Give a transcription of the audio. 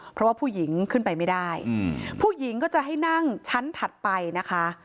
เพราะว่าผู้หญิงขึ้นไปไม่ได้ผู้หญิงก็จะให้นั่งชั้นถัดไปนะคะ